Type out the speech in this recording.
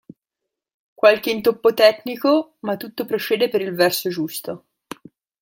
Qualche intoppo tecnico ma tutto procede per il verso giusto.